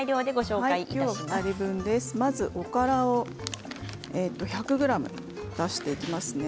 おからを１００ｇ足していきますね。